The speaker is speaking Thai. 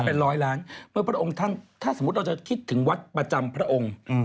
เป็นร้อยล้านเมื่อพระองค์ท่านถ้าสมมุติเราจะคิดถึงวัดประจำพระองค์